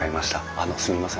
あのすみません